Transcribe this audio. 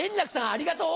ありがとう